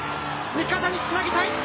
味方につなぎたい。